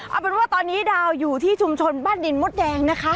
เอาเป็นว่าตอนนี้ดาวอยู่ที่ชุมชนบ้านดินมดแดงนะคะ